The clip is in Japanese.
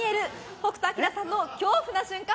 北斗晶さんの恐怖な瞬間